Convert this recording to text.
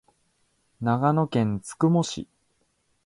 長野県千曲市